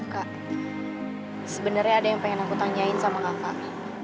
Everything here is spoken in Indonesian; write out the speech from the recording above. kak sebenarnya ada yang pengen aku tanyain sama kakak